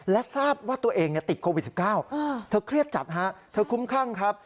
และทราบว่าตัวเองติดโควิด๑๙เธอเครียดจัดฮะเธอคุ้มครั่งครับ